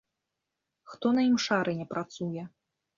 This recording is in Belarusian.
Хто на імшарыне працуе?